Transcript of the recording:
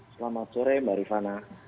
selamat sore mbak rifana